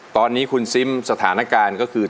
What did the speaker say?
ตอนนี้คุณซิมสถานการณ์ก็คือ